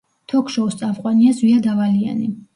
თოქ-შოუს წამყვანია ზვიად ავალიანი.